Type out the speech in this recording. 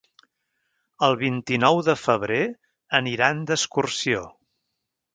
El vint-i-nou de febrer aniran d'excursió.